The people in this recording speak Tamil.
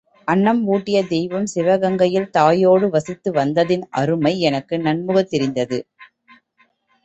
அன்னம் ஊட்டிய தெய்வம் சிவகங்கையில் தாயோடு வசித்துவந்ததின் அருமை எனக்கு நன்முகத் தெரிந்தது.